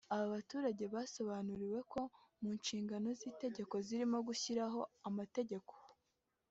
Aba baturage basobanuriwe ko mu nshingano z’Inteko zirimo gushyiraho amategeko